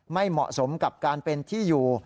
ไม่เหมาะสมกับการเป็นที่อยู่